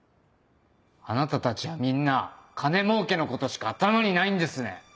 あなたたちはみんな金もうけのことしか頭にないんですね。